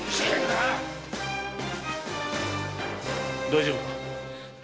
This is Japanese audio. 大丈夫か？